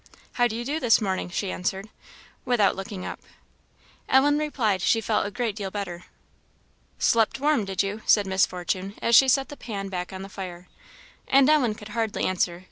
"How do you do this morning?" she answered, without looking up. Ellen replied she felt a great deal better. "Slept warm, did you?" said Miss Fortune, as she set the pan back on the fire. And Ellen could hardly answer.